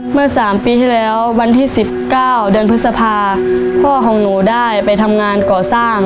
เมื่อ๓ปีที่แล้ววันที่๑๙เดือนพฤษภาพ่อของหนูได้ไปทำงานก่อสร้าง